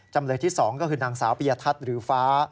จำเลยที่๒ก็คือนางสาวปียทัศน์หรือฟ้า